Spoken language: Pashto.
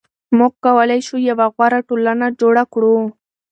موږ کولای شو یوه غوره ټولنه جوړه کړو.